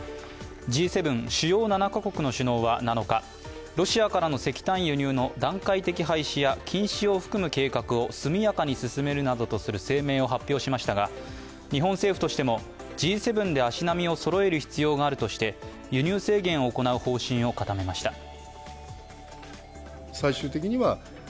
Ｇ７＝主要７か国の首脳は７日、ロシアからの石炭輸入の段階的廃止や禁止を含む計画を速やかに進めなどとする声明を発表しましたが、日本政府としても、Ｇ７で足並みをそろえる必要があるとして輸入制限を行う方針を固めました。